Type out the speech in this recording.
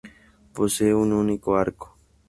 Posee un único arco.